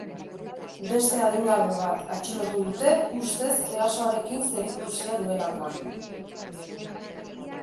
Beste adingabe bat atxilotu dute, ustez erasoarekin zerikusia duelakoan.